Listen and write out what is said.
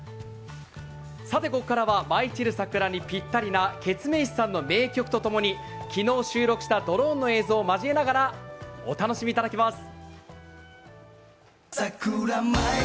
ここからは舞い散る桜にぴったりなケツメイシさんの名曲と共に昨日収録したドローンの映像を交えながらお楽しみいただきます。